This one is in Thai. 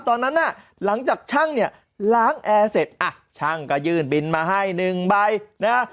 ตอนนั้นน่ะหลังจากช่างเนี่ยล้างแอร์เสร็จอ่ะช่างก็ยื่นบินมาให้หนึ่งใบนะ